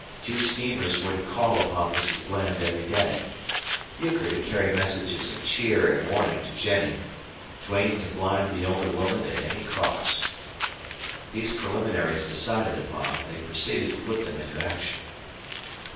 The two schemers were to call upon Mrs. Bland every day Euchre to carry messages of cheer and warning to Jennie, Duane to blind the elder woman at any cost. These preliminaries decided upon, they proceeded to put them into action.